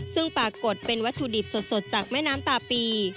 ซึ่งปรากฏเป็นวัตถุดิบสดจากแม่น้ำตาปี